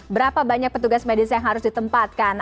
berapa banyak petugas medis yang harus ditempatkan